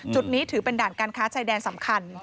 จุดนี้ถือเป็นด่านการค้าชายแดนสำคัญ